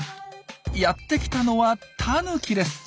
やって来たのはタヌキです。